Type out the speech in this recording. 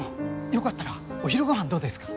よかったらお昼ごはんどうですか？